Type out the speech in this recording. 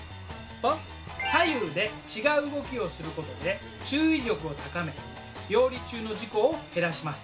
左右で違う動きをすることで注意力を高め料理中の事故を減らします。